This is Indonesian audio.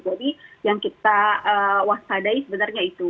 jadi yang kita waspadai sebenarnya itu